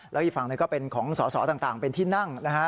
แล้วอีกฝั่งหนึ่งก็เป็นของสอสอต่างเป็นที่นั่งนะฮะ